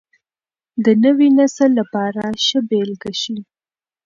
د نوي نسل لپاره ښه بېلګه شئ.